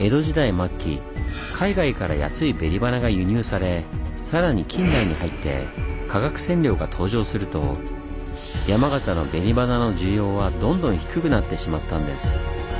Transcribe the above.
末期海外から安い紅花が輸入されさらに近代に入って化学染料が登場すると山形の紅花の需要はどんどん低くなってしまったんです。